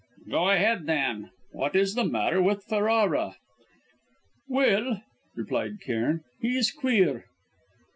"Go ahead then. What is the matter with Ferrara?" "Well," replied Cairn, "he's queer."